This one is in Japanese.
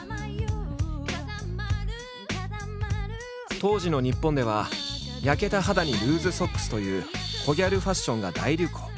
当時の日本では焼けた肌にルーズソックスというコギャルファッションが大流行。